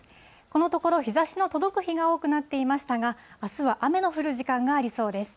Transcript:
このところ、日ざしの届く日が多くなっていましたが、あすは雨の降る時間がありそうです。